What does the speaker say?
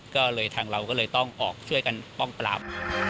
ก็เลยทางเราก็เลยต้องออกช่วยกันป้องปราม